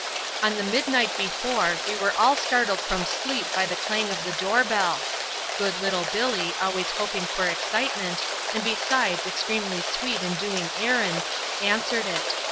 On the midnight before we were all startled from sleep by the clang of the door bell. Good little Billy, always hoping for excitement, and besides extremely sweet in doing errands, answered it.